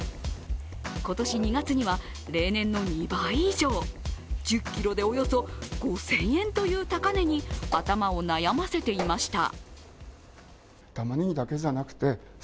今年２月には例年の２倍以上１０ｋｇでおよそ５０００円という高値に頭を悩ませていました。